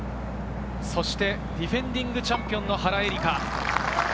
そしてディフェンディングチャンピオンの原英莉花。